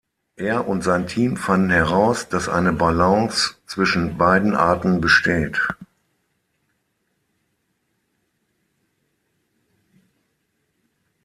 Er und sein Team fanden heraus, dass eine Balance zwischen beiden Arten besteht.